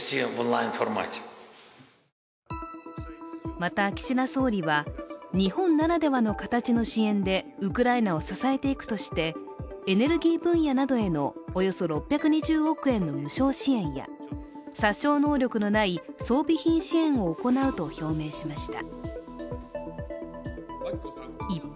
また岸田総理は日本ならではの形の支援でウクライナを支えていくとして、エネルギー分野などへのおよそ６２０億円の無償支援や殺傷能力のない装備品支援を行うと表明しました。